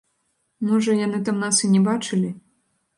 Можа, яны там нас і не бачылі.